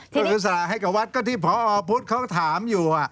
ก็คือสละให้กับวัดก็ที่พระออพุทธเขาถามอยู่